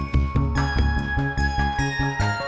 semarang semarang semarang